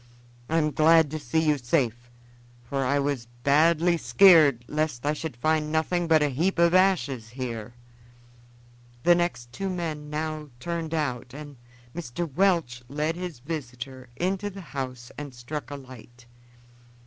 I'm glad to see you safe, for I was badly skeared lest I should find nothing but a heap of ashes here." The next two men now turned out, and Mr. Welch led his visitor into the house and struck a light.